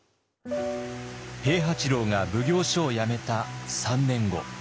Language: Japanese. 平八郎が奉行所を辞めた３年後。